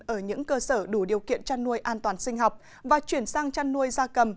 ở những cơ sở đủ điều kiện chăn nuôi an toàn sinh học và chuyển sang chăn nuôi da cầm